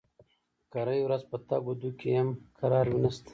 کرۍ ورځ په تګ و دو کې يم؛ کرار مې نشته.